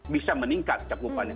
bisa meningkat cakupannya